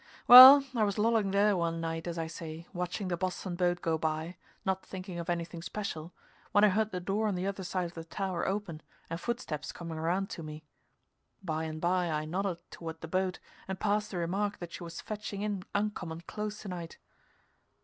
Well, I was lolling there one night, as I say, watching the Boston boat go by, not thinking of anything special, when I heard the door on the other side of the tower open and footsteps coming around to me. By and by I nodded toward the boat and passed the remark that she was fetching in uncommon close to night.